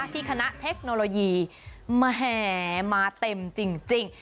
ที่คณะเทคโนโลยีแหมมาเต็มจริง